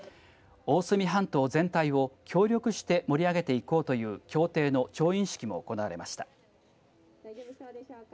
大隅半島全体を協力して盛り上げていこうという協定の調印式も行われました。